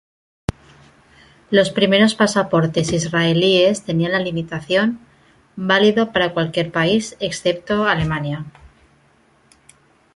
Los primeros pasaportes israelíes tenían la limitación: "Válido para cualquier país excepto Alemania".